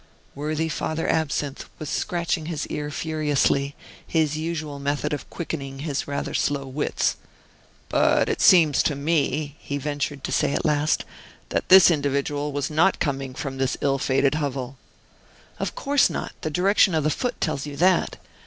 Worthy Father Absinthe was scratching his ear furiously, his usual method of quickening his rather slow wits. "But it seems to me," he ventured to say at last, "that this individual was not coming from this ill fated hovel." "Of course not; the direction of the foot tells you that.